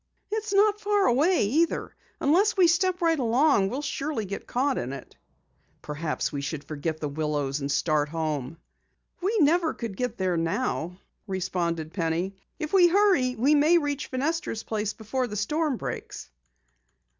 "It's not far away either. Unless we step right along, we'll surely get caught in it." "Perhaps we should forget The Willows and start home." "We never could get there now," responded Penny. "If we hurry we may reach Fenestra's place before the storm breaks."